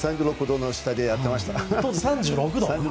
３６度の下でやってました。